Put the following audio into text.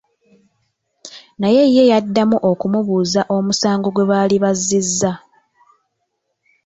Naye ye yaddamu okumubuuza omusango gwe baali bazzizza.